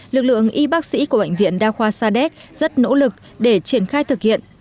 lực lượng y bác sĩ của bệnh viện đa khoa sadek rất nỗ lực để triển khai thực hiện